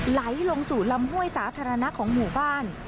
ไหลลงสู่ลำห้วยสาธารณะของหมู่บ้าน